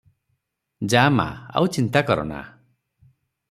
ଯା ମା, ଆଉ ଚିନ୍ତା କରନା ।"